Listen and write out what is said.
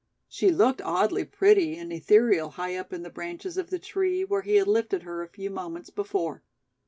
She looked oddly pretty and ethereal high up in the branches of the tree where he had lifted her a few moments before.